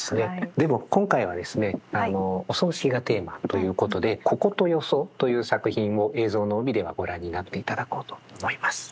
でも今回はですねお葬式がテーマということで「こことよそ」という作品を「映像の帯」ではご覧になっていただこうと思います。